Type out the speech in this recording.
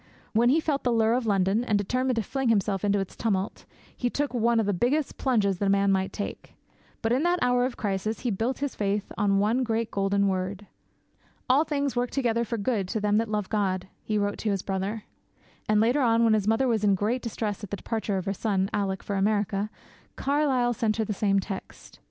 When he felt the lure of London, and determined to fling himself into its tumult, he took 'one of the biggest plunges that a man might take.' But in that hour of crisis he built his faith on one great golden word. 'All things work together for good to them that love God,' he wrote to his brother. And, later on, when his mother was in great distress at the departure of her son, Alick, for America, Carlyle sent her the same text.